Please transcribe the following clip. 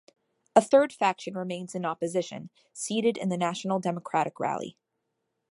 A third faction remains in opposition, seated in the National Democratic Rally.